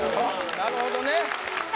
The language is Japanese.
なるほどねさあ